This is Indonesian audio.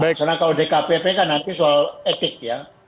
karena kalau dkpp kan nanti soal etik ya